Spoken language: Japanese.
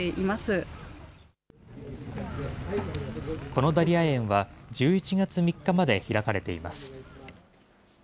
このダリア園は、１１月３日まで開かれています。